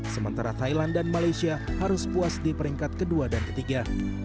sementara thailand dan malaysia harus puas di peringkat kedua dan ketiga